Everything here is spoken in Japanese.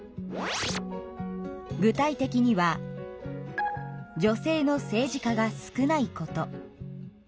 具体的には女性の政治家が少ないこと。